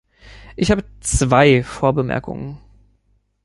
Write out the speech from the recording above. Ich habe zwei Vorbemerkungen.